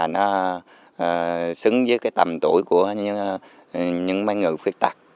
nó xứng với cái tầm tuổi của những mấy người khuyết tật